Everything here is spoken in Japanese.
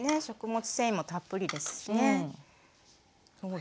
食物繊維もたっぷりですしね。